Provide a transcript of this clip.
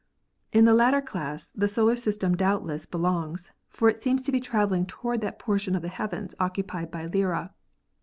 In the latter class the solar system doubtless be longs, for it seems to be traveling toward that portion of the heavens occupied by Lyra.